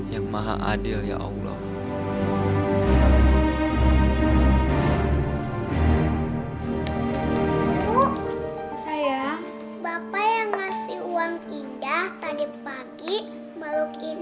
buang silahkan kalian